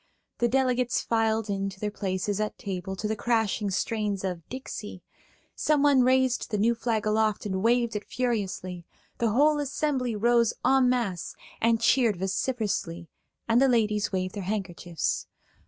The delegates filed in to their places at table to the crashing strains of "Dixie"; someone raised the new flag aloft and waved it furiously; the whole assembly rose en masse and cheered vociferously, and the ladies waved their handkerchiefs.